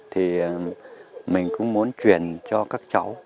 thì mình cũng muốn truyền cho các truyền thống xưa